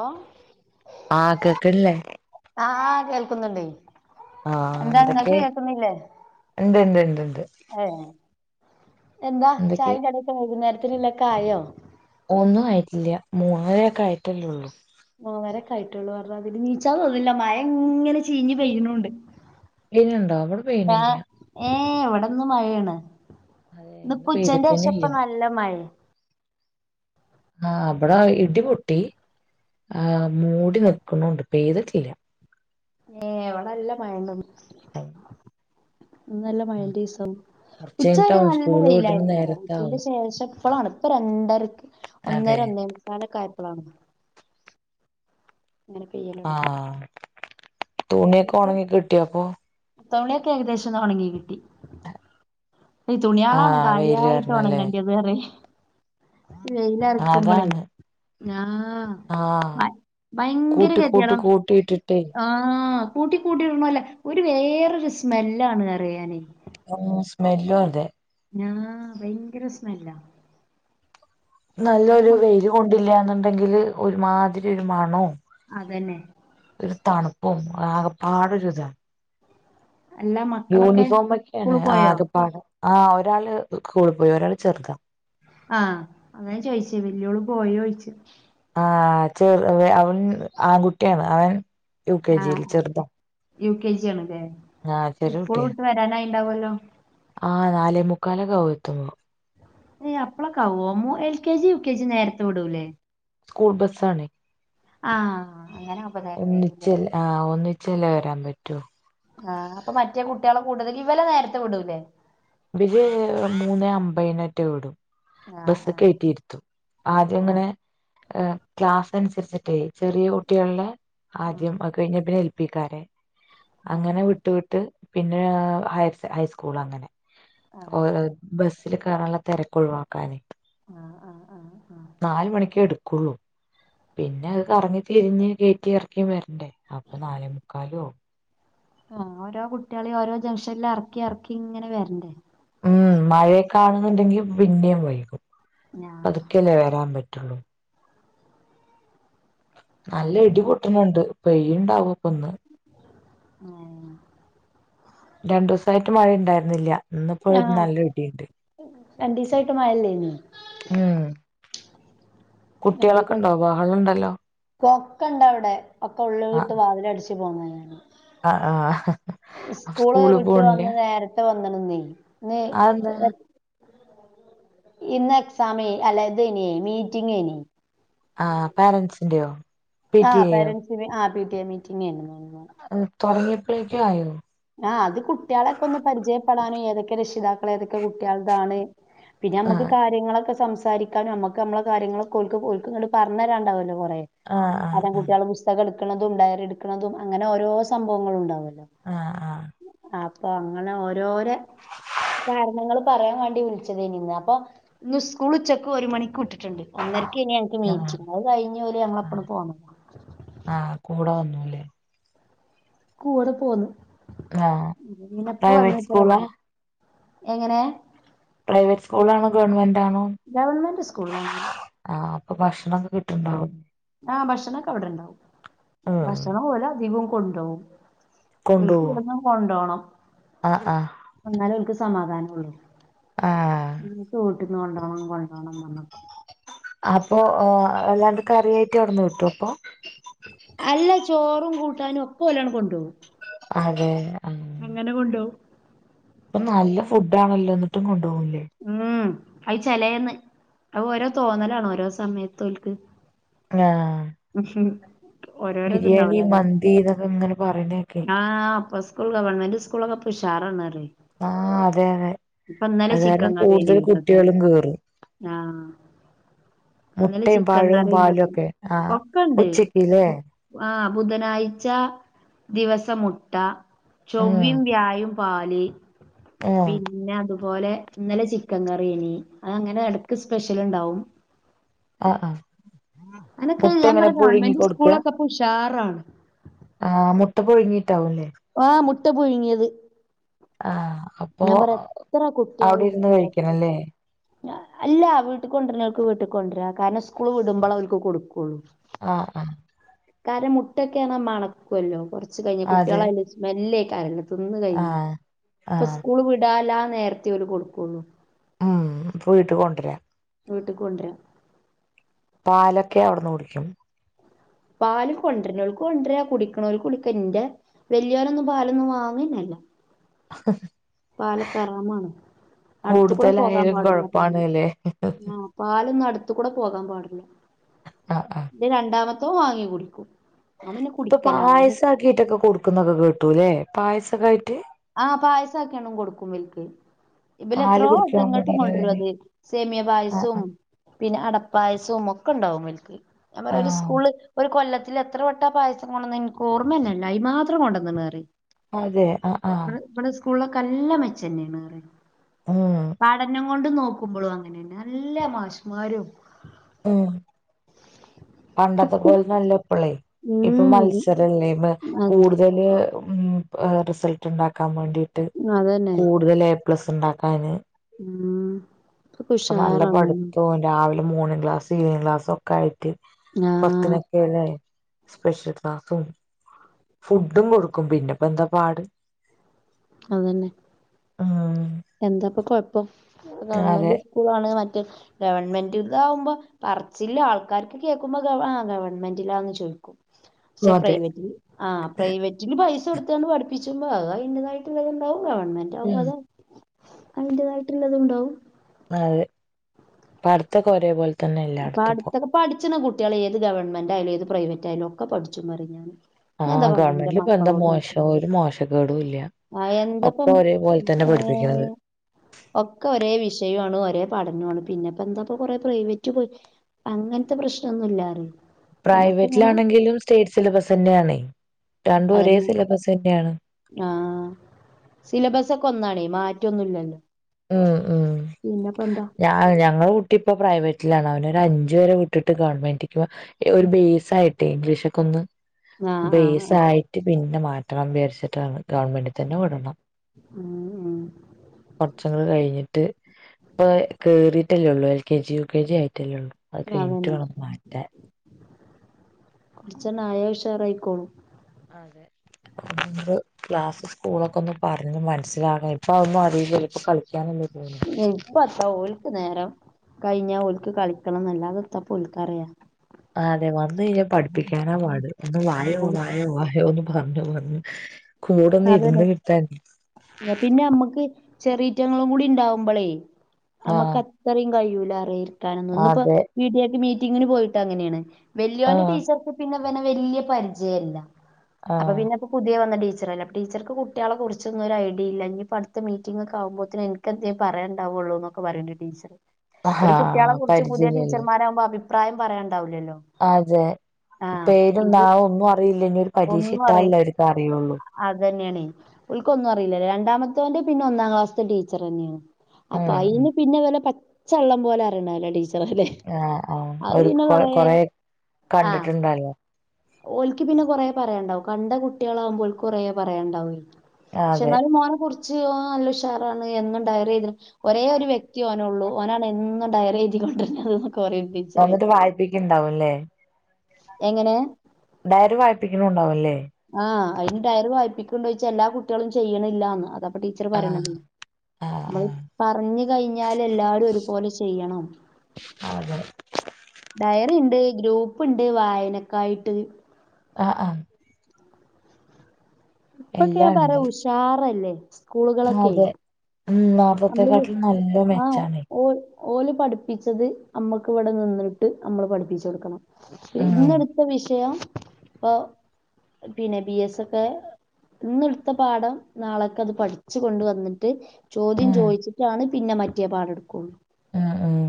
ആഹ്. ആഹ് കേക്കില്ലേ? ആഹ്, കേൾക്കുന്നുണ്ട്. ആഹ് എന്തൊക്കെ? ഉണ്ട്ണ്ട്, ഉണ്ട്ണ്ട്. ഏ എന്താ എന്തൊക്കെ ചായ കടൊക്കെ വൈകുന്നരത്തിലുള്ളക്കെ ആയോ? ഒന്നും ആയിട്ടില്ല മൂന്നരേൊക്കെ ആയിട്ടല്ലേള്ളൂ. ഓ വരെ കയട്ടുള്ളു പറഞ്ഞ അതില്, നീച്ചാ തോന്നില്ല മഴ എങ്ങനെ ചിഞ്ഞ്പെയ്യുന്നുണ്ട്. ഇണ്ടോ? ആഹ് ഹേ എവിടെന്ന് മഴയാണ്. അതെ ഇന്ന് പുച്ചന്റെ ശേഷ പെയ്തിട്ടന്നെ ഇല്ല ഇപ്പ നല്ല മഴയാ. ആഹ് അവിട ഇടിമുട്ടി. ആഹ് മൂടി നൽക്കുന്നുണ്ട് പെയ്തിട്ടില്ല. ഏ വളല്ല മഴണ്ട്ന്ന് നല്ല മഴന്റെ ദിവസവും, കുറച്ച് ഉച്ചവരെ കഴിഞ്ഞിട്ടാവും നല്ല സ്കൂള് വിടണ വെയിലായിന്ന കേട്ടോ, നേരത്താവും ഉച്ചന്റെ ശേഷം, ഇപ്പോളാണ് ഇപ്പൊ രണ്ടര, അതെ ഒന്നേരം ഒന്നേ കാലൊക്കെ ആയപ്പോളാണ്. പോയാലോടങ്ങിയെ. തുണിയക്കെ ഉണകിട്ടിയോ അപ്പോ? തുണിയൊക്കെ ഏകദേശം ഉണങ്ങി കിട്ടി. ഈ തുണിയളാണ് ആഹ് വെയില് കാര്യായിട്ടോണം എ കാരണല്ലേ കണ്ടിയത് വറെ. വെയിലറക്കുമ്പോളേ അതാണ് ഞാ- ആഹ് ഭയങ്കര കൂട്ടി കതിയള കൂട്ടി കൂട്ടി ഇട്ടിട്ടേ ആഹ്... കൂട്ട കൂട്ടിടണ അല്ലെ ഒരു വേറൊരു സ്മെല്ലാണ് അറിയാനെ. ഉം സ്മെല്ലും അതെ. ഭയങ്കര സ്മെല്ലാ. അവിടെ നല്ലൊരു മ വെയില്- കൊണ്ടില്ലന്നുണ്ടെങ്കില് ഒരുമാതിരി ഒരു മണോ, അതന്നെ. ഒരു തണുപ്പും ആകെപ്പാടൊ ഒരുതാ. അല്ല മക്കളൊക്കെ യൂണിഫോമോക്കെയാണ് സ്കൂള് പോയോ ആകെ- ആഹ് ഒരാള് കകൂള പോയി, ഒരാൾ ചെർതാ. ആഹ് അങ്ങനെ ചോയിച്ചേ വല്യോള് പോയി ചോദിച്ചു. ആഹ്ചെറ അവൻ- ആൺകുട്ടിയാണ് അവൻ, യു കെ ആഹ് ജിയിൽ ആഹ് ചെറുതാ യു. കെ. ജി ആണ് അതെ ആഹ് ചെറിയ സ്കൂൾ കുട്ടിയാ വിട്ട- വരാനായിണ്ടാവല്ലോ? ആഹ് നാലെ മുക്കാല് ആവും എത്തുമ്പോ. അപ്പള കാവുവോ മ L. K. G, U. K. G നേരത്തെ വിടൂല്ലേ? സ്കൂൾ ബസ്സാണ്. ആഹ് അങ്ങനെ. ആവുമ്പോ നേരം വൈകൂലേ ഒന്നിച്ച ആഹ് ഒന്നിച്ചല്ല വരാൻ പറ്റോ. ആഹ് അപ്പോ മറ്റേ കുട്ടികളെ- കൂടുതല ഇവല നേരത്തെ വിടൂല്ലേ? ഇര് മൂന്ന് അമ്പതിനനൊറ്റ വിടും. ആഹ് ബസ് ക കയറ്റിയിടുത്തു ആദ്യ ആഹ് ആഹ് ഇങ്ങനെ. ക്ലാസ് അനുസരിച്ചിട്ടേ ചെറിയ കുട്ടികളുടെ. ഉം ആദ്യം ഒക്കെഴഞ്ഞ പിന്നെ, ഏൽപ്പിക്കാരെ. ആഹ് അങ്ങനെ ഉം വിട്ട്, വിട്ട് പിന്നെ ഹയർ, ഹൈസ്കൂൾ അങ്ങനെ. ആഹ് ഓരോ ആഹ് ബസ്സിൽ കയറാനുള്ള തിരക്ക് ഒഴിവാക്കാനേ. ആഹ്, ആഹ്, ആഹ്, ആഹ്. നാല് മണിക്ക് എടുക്കുള്ളൂ പിന്നെ അത് കറങ്ങി തിരിഞ്ഞ് കെയറ്റി എറക്കി വരണ്ടേ അപ്പൊ നാലേ മുക്കാലും ആവും ആഹ് ഓരോ കുട്ടിയാളി ഓരോ ജംഗ്ഷനിൽ എറക്കിഎഇറക്കി ഇങ്ങനെ വരണ്ടേ ഉം മഴയക്കാണുന്നുണ്ടെങ്കി പിന്നിം വൈകും ആഹ് അതക്കെല്ലേ വരാൻ പറ്റുള്ളൂ നല്ല ഇടിപൊട്ടണണ്ട് പെയ്യ്ണ്ടാവും പ്പന്ന് ആഹ് രണ്ടുസയിട്ട് മഴ ഉണ്ടായിരുന്നില്ല ഇന്ന്പ്പൊ ഒര് ആഹ് നല്ല ഇടിണ്ട് രണ്ടീസായിട്ട് മഴല്ലേനി ഉം കുട്ടികളൊക്കെ രണ്ടിസയിട്ട് ഉണ്ടോ ബഹളം ഉണ്ടല്ലോ കൊക്ക ഇണ്ട അവിടെ ഒക്കെ ഉള്ളട്ട് വാതിലടിച്ച് [unintelligible] അ ആഹ് ആഹ് സ്കൂള് വിട്ട് പോണില്ല വന്ന് നേരത്തെ വന്ന്ണ് ന്നേ ന്ന് നീ അതെന്താ ഇന്ന് എക്സാ അല്ല തയ്നി മീറ്റിംഗ് എനി ആഹ് പോരൻസിന്റെയോ ആഹ് പേരെന്റ്സ് ആഹ് പി ടി മീറ്റിംഗ് ആയിരുന്നു ഇന്ന് അത് തുടങ്ങിയപ്പഴേക്കയി അത് കുട്ടികളെൊക്കെ ഒന്ന് പരിചയപ്പെടാനും ഏതൊക്കെ രക്ഷിതാക്കൾ ഏതൊക്കെ കുട്ടികളതാണ് പിന്നെ നമ്മുക്ക് ആഹ് കാര്യങ്ങളൊക്കെ സംസാരിക്കാനും നമ്മുക്ക് നമ്മളെ കാര്യങ്ങളൊക്കക്കണ്ട് പറഞ്ഞു തരാണ്ടാവല്ലോ കുറേ ആഹ് അത് കുട്ടികളൾ പുസ്തകം എടുക്കുന്നതും ഡയറി എടുക്കുന്നതും അങ്ങനെ ഓരോ സംഭവങ്ങളും ഉണ്ടാവുമല്ലോ ആഹ് അപ്പൊ അങ്ങനെ ഓരോരെ കാരണങ്ങൾ പറയാൻ വേണ്ടി വിളിച്ചതേനി നിന്ന് അപ്പൊ ഇന്ന് സ്കൂൾ ഉച്ചക്ക് ഒരു മണിക്ക് വിട്ട് ഒന്നരയ്ക്കയ്നി നമ്മളെ ആഹ് ആഹ് മീറ്റിംഗ് അത് കഴിഞ്ഞ് ഒര് ഞങ്ങളെ ഒപ്പം ആഹ് പോന്ന് ആഹ് കൂടെ വന്നില്ലേ കൂടെ പോന്നു ആഹ് ഇനെപ്പ പ്രൈവറ്റ് വന്നത്രണ്ട സ്കൂളാ എങ്ങനെ പ്രൈവറ്റ് സ്കൂൾ ആണോ ഗവൺമെന്റ് ആണോ ഗവൺമെന്റ് സ്കൂളാണ്ണത് ആഹ് അപ്പൊ ഭക്ഷണൊക്കെ കിട്ട്ണ്ടോ ആഹ് ഭക്ഷണൊക്കെ അവിടെണ്ടാവും ഉം ഭക്ഷണ പോലെ അധികവും കൊണ്ടോകും കൊണ്ടുപോവോ [unintelligible] കൊണ്ടോണം ആഹ് ആഹ് എന്നന്നാലെ ഓൽക്ക് സമാധാനം ഉള്ളൂ ആഹ് ഉം [unintelligible] അപ്പൊ ങ് എല്ലാണ്ട് കറിയായിട്ട് അവിടുന്ന് കിട്ടു അപ്പൊ അല്ല ചോറും കൂട്ടാനും ഒക്കെ ഒലാണ്ട് കൊണ്ടോകും അതെ എങ്ങനെ കൊണ്ടോ ഇപ്പൊ നല്ല ഫുഡ് ആണല്ലോ എന്നിട്ടും കൊണ്ടുപോകൂലെ ഉം അത് ചിലേന്ന് അത് ഓരോ തോന്നലാണ് ഓരോ സമയത്ത് ഓൽക്ക് ആഹ് ഉഹ് ബിരിയാണി മന്തിന്നൊക്കെ ഇങ്ങനെ പറയ്ണെക്കല്ലേ ആഹ് പ്പൊ സ്കൂൾ ഗവൺമെന്റ് സ്കൂളൊക്കെ ഉഷാറാണ് ആഹ് അതെ അതെ അതാണ് അറേഞ്ഞി ഓൽക്കൊക്കെ ആഹ് നിങ്ങൾ മുട്ടയും ചിക്കൻ പഴവും കറി പാലും എന്തൊക്കെ ഒക്കെ ആഹ് ഒക്കെണ്ട് ഉച്ചക്കില്ലേ ആഹ് ബുധനാഴ്ച ദിവസം മുട്ട ഉം ചൊവ്വം വ്യാഴം പാല് ആഹ് പിന്നെ അതുപോലെ ഇന്നലെ ചിക്കൻ കറിയേനി അത് അങ്ങനെ ഇടക്ക് സ്പെഷ്യൽ ണ്ടാവും ആഹ് ആഹ് അനൊക്കെ മുട്ട ഞാൻ എങ്ങനെ പറ്യ പുഴുങ്ങി ഗവൺമെന്റെ കൊടുക്കുക സ്കൂളൊക്കെ പൊ ഉഷാറാണ് ആഹ് മുട്ട പൊഴുങ്ങിട്ടാവുംല്ലേ ആഹ് മുട്ട പുയിങ്ങിയത് ആഹ് അപ്പൊ എത്ര അവിടെ കുട്ടികളുണ്ട് ഇരുന്ന് ഇപ്പ അടക്കം കഴിക്കണംല്ലേ അല്ല വീട്ടിൽ കൊണ്ടുവരുന്നൾക്ക് വീട്ടി കൊണ്ടരാ കാരണം സ്കൂള് വിടുമ്പള ഓല്ക് കൊടുക്കുള്ളു ആഹ് ആഹ് കാരണം മുട്ടൊക്കെർഞ മണക്കുല്ലോ കൊറച്ച് കഴിഞ് അതെ കുട്ടിളെ അയന് സ്മെല്ലേകാരം ത്തിന്ന് കഴിഞ് ആഹ് അപ്പൊ ആഹ് സ്കൂൾ വിടാല നേരത്തെേ ഒരു കൊടുക്കുള്ളൂ ആഹ് പോയിട്ട് കൊണ്ടരാം വീട്ടിക്ക് കൊണ്ടരാം പാലൊക്കെ അവിടുന്ന് കുടിക്കും പാലും കൊണ്ട്നോൽക് കൊണ്ടര കുടിക്നോല്ക് കുടിക്ക ന്റെ വല്ല്യോരൊന്നും പാലൊന്നും വാങ്ങന്നെല്ല്യ [unintelligible] പാലൊക്കെ ഹറാമാണ് അടുത് കൂടെ പോകാൻ കൂടുതലായാലും പാടില്ല പോ കൊഴപ്പാണ് ല്ലേ ആഹ് പാലൊന്ന് അടുതു കൂടെ പോകാൻ പാടില്ല ആഹ് ആഹ് ന്റെ രണ്ടാമത്തഹ് വാങ്ങി കുടിക്കും ഓൻ പിന്നെ ഇപ്പൊ കുടിക്കലാണ് പായസ ആക്കിട്ടൊക്കെ കൊടുക്കുന്നൊക്കെ കേട്ടൂല്ലെ പായസൊക്കയിട്ട് ആഹ് പായസ ഒക്കെണ് കൊടുക്കും വൽക്ക് വല് പാല് എത്രോ വട്ടം കുടിക്കാൻ ഇങ്ങട്ടും മടിയുള്ളവര് കൊണ്ട്രുത് സേമിയ ആഹ് പായസും ആഹ് പിന്നെ അടപ്പായസവും ഒക്കെ ണ്ടാവും വൽക്ക് ഞാ പറ്യ ഒരു ആഹ് സ്കൂള് ഒരു കൊല്ല ത്തിൽ എത്ര വെട്ടാ പായസം കൊണ്ടുന്ന് എനിക്ക് ഓർമ്മന്നല്ല അയി മാത്രം കൊണ്ടോന്ന്ണ് അറിം അതെ ആഹ് ആഹ് [unintelligible] ഇവടെ സ്കൂളിലൊക്കെ എല്ല മെച്ചന്നെണ് ഉം പാടന്നം കൊണ്ട് നോക്കുമ്പളും അങ്ങനെന്നെ നല്ല മാഷ്മാരും ഏഹ് പണ്ടത്തെ ഒക്കെ പോലെ അല്ല ഇപ്പളേ ഇപ്പൊ ഉം മത്സരംല്ല അതെ കൂടു ഇവല് റിസൽട്ട് ഉണ്ടാക്കാൻ വേണ്ടിട്ട് അതന്നെ കൂടുതൽ പ്ലസ്സ് ണ്ടാക്കാൻ ഉം ഇപ്പൊക്കെ പ്പ നല്ല ഉഷാറാണല്ലോ പഠിത്തോ രാവിലെ മോർണിംഗ് ക്ലാസ് ഈവനിംഗ് ക്ലാസ്സും ഒക്കെ ആയിട്ട് ആഹ് പറത്തിനൊക്കെല്ല സ്പെഷ്യൽ ക്ലാസ്സും ഫുഡും കൊടുക്കും പിന്നെപ്പോ എന്താ പാട് അതന്നെ ഉം എന്താപ്പൊ കൊഴപ്പം ഗവൺമെന്റ് അതെ സ്കൂളാണെ മറ്റെ ഗവൺമെന്റ് ഇതാവുമ്പോ പറച്ചില്ല ആൾക്കാർക്ക് കേൾക്കുമ്പോ ആഹ് ഗവൺമെന്റിലാന്ന് ചോയ്ക്കും പക്ഷെ അതെ പ്രൈവറ്റില് ആഹ് പ്രൈവറ്റിന് പൈസ കൊടുത്തണ്ട് പഠിപ്പിച്ച്മ്പൊ അത അയ്ന്റതായിട്ടുള്ളത്ണ്ടാവും ഗവൺമെന്റ് ആാവുമ്പോ ഉം അത അയ്ന്റേതായിട്ടുള്ളതുണ്ടാവും അതെ പഠിത്തൊക്കൊരേ പോൽ പട്ത്തൊക്കെ പഠിച്ണ കുട്ടികൾ ഏത് ഗവൺമെന്റ്റായാലും ഏത് പ്രൈവറ്റ്യയാലും ഒക്കെ പഠിച്ചും ന്നറിം ഞാന് ഞാൻ എന്താ ആഹ് പറഞ്ഞെ ഇന്റെ ഗവൺമെന്റിലിപ്പൊ എന്താ മോശം ഒരു മോശകേടും ഇല്ല ആഹ് ഒക്കെ എന്തപ്പം ഒരേപോലെ തന്നെ പഠിപ്പിക്കണത് ഏഹ് ഒക്കെ ഒരേ വിഷയു ആണ്. ഒരേ പഠന്വാണ് പിന്നെപ്പെന്താ ഇപ്പ കൊറേ പ്രൈവറ്റ് അങ്ങൻത്തെ പ്രശ്നംന്നുല്ലാറ [unintelligible] പ്രൈവറ്റിലാണെങ്കിലും സ്റ്റേറ്റ് സിലബസെന്യാണെ. രണ്ടും ഒരേ സിലബസ് തന്യാണ്. ആഹ് സിലബസ് ഒക്കെ ഒന്നാണേ മാറ്റൊന്നു ഇല്ലൽ ഉം ഉം ഞ ആ ഞങ്ങളെ കുട്ടി ഇപ്പം പ്രൈവറ്റിലാണ്. അവനൊര് അഞ്ച് വെരെ വിട്ടിട്ട് ഗവൺമെന്റ് ഒരു ബേസ് ആയിട്ട് ഇംഗ്ലീഷൊക്കെ ഒന്ന് ആഹ് ആഹ് ബേസ് ആഹ് ആയിട്ട് പിന്നെ മാറ്റണം വിചരിച്ചിട്ടാണ് ഗവണ്മെന്റ് തന്നെ വിടണം. ഉം ഉം വർഷങ്ങള് കഴിഞ്ഞിട്ട് ഇപ്പ കേറിട്ടെല്ലൊള്ളൂ L K G U K G ആയിട്ടല്ലേ ഒള്ളു. അഹ് കഴിഞ്ഞിട്ട് വാണം മാറ്റാൻ. കൊറച്ചന്നായ ഉഷാറായിക്കോളും. അതെ. ക്ലാസ് സ്കൂളൊക്കെ ഒന്ന് പറഞ് മനസ്സിലാവണം. ഇപ്പൊ അതന്നും അറീലെയ്‌ കളിക്കാനൊന്നെയ്. ഉം. ഇപ്പ എത്താ ഓല്ക്ക് നേരം കഴിഞ്ഞാ ഓല്ക്ക് കളിക്കണം ന്നല്ലാതെ എത്താപ്പ ഓൽക്കറിയാ. ആഹ് അതെ വന്ന് കഴിഞാ പഠിപ്പിക്കാനാ പാട്. ഒന്ന് വായോ അത് വായോ വായോന്നും. പറ്ഞ്ഞു പറ്ഞ്ഞു കൂടൊന്ന് അതന്നെ ഇരുന്ന് കിട്ടാൻ. ഞ പിന്നെ അമ്മക്ക് ചെറീറ്റങ്ങളുംകൂടി ഇണ്ടാവുമ്പോളേയ് അമ്മക്ക് ആഹ് അ അത്തറിം. കഴിയൂല അറിയ ഇരിക്കാനൊന്നും ഇന്ന് ഇപ്പോ അതെ പീ ട്ടിയക്ക് മീറ്റിങ്ങിന് പോയിട്ട് അങ്ങനേണ്. വല്യോന്റെ ആഹ് ടീച്ചർക്ക് പിന്നെ ഇവനെ വല്യേ പരിചയല്ല. അപ്പൊ ആഹ് പിന്നെ ഇപ്പൊ പുത്യേ വന്ന ടീച്ചറല്ലേ. ടീച്ചർക്ക് കുട്ട്യേളെ കുറിച്ചൊന്നും ഒരായ്ടിയില്ല. ഇഞ്പ്പോ അടുത്ത മീറ്റിംങ്ങൊക്കെ ആവുമ്പോത്തിന് ഇനിക്കെന്തെം പറയാണ്ടാ വൊള്ളൂന്നൊക്കെ. പറിണ്ട് ടീച്ചറ്. ഒരു ആഹാ കുട്ട്യേളെ കുറിച്ച് പുതിയ പരിചയില്ലല്ലോ ടീച്ചർമാരാവുമ്പോ അഭിപ്രായം പറയാണ്ടാവൂലല്ലോ. അതെ പേരും നാവും ഒന്നും അറിയില്ലനി ഒരു പരീക്ഷ ഇട്ടാലല്ലേ ഓൽക്കറിയൊള്ളൂ. അത്തന്നേണേ. ഓൽക്കൊന്നും അറിയിലല്ലോ രണ്ടാമത്തോന്റെ പിന്നെ ഒന്നാം ക്ലാസ്ത്തെ ടീച്ചറന്നേണ്. അപ്പ ഉം ഉം അയിന് പിന്നെ വെലെ പച്ചവെള്ളം പോലെ അറിയണല്ലെ ടീച്ചറെല്ലെ. ആഹ് ആഹ് ഒരു കൊ കൊറെ ആഹ് കണ്ടിട്ട്ണ്ടാലെ ഓൽക്ക് പിന്നെ കൊറേ പറയാണ്ടാവും. കണ്ട കുട്ട്യേളാവുമ്പ ഓൽക്ക് കൊറേ പറയാണ്ടാവേയ്. ക്ഷെ അതെ ഇന്നാലും മോനെ കുറിച്ച് ഓൻ നല്ല ഉഷാറാണ് എന്നും ടയറി എയ്തി ഒരേ ഒരു വ്യക്തി ഓനൊള്ളു. ഓനാണ് എന്നും ഡയറി എയ്തി കൊണ്ടര്ന്നത് ന്നൊക്കെ പറയ്ണ്ടി. വന്നിട്ട് വായ്പിക്ക്ണ്ടാവുല്ലേ. എങ്ങെനെ? ഡയറി വായ്പിക്കുണ്ടുണ്ടാവുല്ലേ. ആഹ് അയിന് ഡയറി വായിപ്പിക്ക് ണ്ടോയിച്ച എല്ലാ കുട്ട്യേളും ചെയ്യണില്ലാന്ന് അതാ അപ്പ ടീച്ചറ് ആഹ് പറിണതേയ് ആഹ് അമ്മള് പറഞ് കഴിഞ്ഞാല് എല്ലാരും ഒരുപോലെ ചെയ്യണം. അതെ. ഡയറി ഇണ്ട് ഗ്രൂപ്പ് ഇണ്ട് വായനക്കായിട്ട്. ആഹ് ആഹ്. ഇപ്പൊക്കെ ഞാ എല്ലാം പറ്യ ഉണ്ട് ഉഷാറെല്ലെ. അതെ ഉം നമ്മള് വി നാർത്തതെക്കാട്ടിലും നല്ല ആ മെച്ചാണേയ്. ഓ ഓല് പഠിപ്പിച്ചത് അമ്മക്ക് ഇവടെ നിന്നിട്ട് അമ്മള് പഠിപ്പിചൊടുക്കണം പി ഉം ഇന്നടു ഇപ്പം വിഷയം ഇപ്പൊ പിന്നെ ബി എസ് ഒക്കെ. ഇന്ന് ഇട്ത്ത പാഠം നാളേക്കത് പഠിച് കൊണ്ട് വന്നിട്ട്. ചോദ്യം ഉം ചോയ്ച്ച്ട്ടാണ് പിന്നെ മറ്റേ പാട ഇട്ക്കൊള്ളൂ. ഉം ഉം.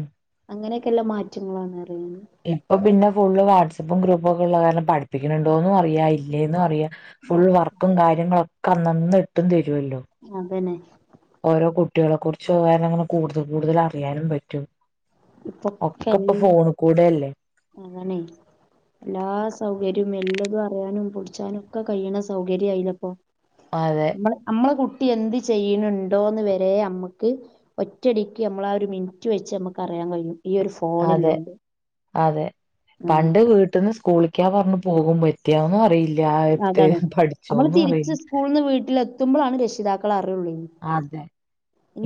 അങ്ങനെക്കല്ല മാറ്റങ്ങളാണ് അറിയുന്ന്. ഇപ്പൊ പിന്നെ ഫുള്ള് വാട്സപ്പും ഗ്രൂപ്പും ഒക്കെ ഉള്ള കാരണം പഠിപ്പിക്ക്ണുണ്ടോന്നും അറിയ ഇല്ലേന്ന് അറിയ ഫുൾ വർക്കും കാര്യങ്ങളൊക്കെ അന്നന്ന് ഇട്ടും തരൊല്ലോ. അതന്നെ. ഓരോ കുട്ടോളെ കുറിച്ച് ഓരോന്ന് ഇങ്ങനെ കൂടുതൽ കൂടുതൽ അറിയാനും പറ്റും. ഒക്കെപ്പൊ ഫോണിക്കൂടെല്ലേ. അതാണെ എല്ലാ സൗകര്യം എല്ലതും അറിയാനും പുടിച്ചാനും ഒക്കെ കഴിയണ സൗകര്യം ആയില്ലേപ്പൊ അതെ. മ്മളെ അമ്മളെ കുട്ടി എന്ത് ചെയ്യണിണ്ടോന്ന് വരെ മ്മക്ക് ഒറ്റടിക്ക് മ്മളാ ഒരു മിനിറ്റ് വെച്ച് മ്മക്ക് അറിയാൻ കഴിയും ഈ ഒരു ഫോ അതെ അതെ ആഹ് പണ്ട് വീട്ടിന്ന് സ്കൂള് ക്കാ പറഞ്ഞു പോകും പറ്റിയോന്നും അറിയില്ല ട്ട് പഠിച്ചോന്നും അറിയി സ്കൂൾന്ന് വീട്ടിലെത്തുമ്പളാണ് രക്ഷിതാക്കൾ അറിയൊള്ളെയ്ന് അതെ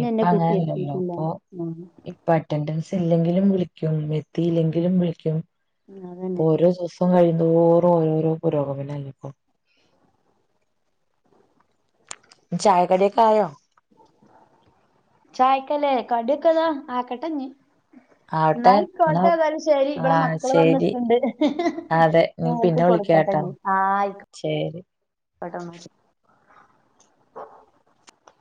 ഇപ്പ അങ്ങനല്ലല്ലോ എത്തിയിട്ടില്ല ഇപ്പൊ ആഹ് ഇ ഇപ്പ അറ്റൻഡൻസ് ഇല്ലെങ്കിലും വിളിക്കും എത്തിയില്ലെങ്കിലും വിളിക്കും ഇപ്പൊ അതന്നെ ഓരോ സൊ ദിവസം കയ്യുന്തോറും ഓരോരോ പുരോഗമനല്ലേ ഇപ്പൊ ചായക്കടിയൊക്കെ ആയോ? ചായക്കല്ലേ കടിയൊക്കെതാ ആക്കട്ടെഞ്ഞി ആവട്ടെ എന്നാ ഇന്നായിക്കോട്ടെ ഏതായാലും ശരി ആ ഇവിടെ മക്കള് ശരി വന്ന്ക്ക്‌ണ്ട് അതെ നീ ഞാ ഓല്ക്ക് പിന്നെ വിളിക്കാട്ടോ കൊടുക്കട്ടെഞ്ഞി ആഹ് ആയിക്കോ ശരി. [unintelligible]